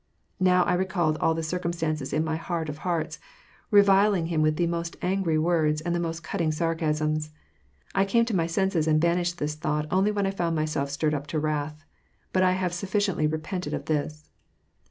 Now I recalled all the circumstances in my heart of hearts, reviling him with the most angry words and the most cutting sarcasms. I came to my senses and banbhed this thought only when I found myself stirred up to wrath; but I have sufficiently repented of this.